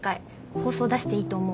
放送出していいと思う。